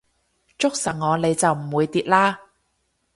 捉實我你就唔會跌啦